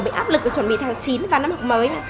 bị áp lực của chuẩn bị tháng chín và năm học mới